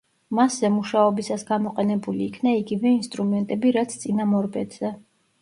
მასზე მუშაობისას გამოყენებული იქნა იგივე ინსტრუმენტები, რაც წინამორბედზე.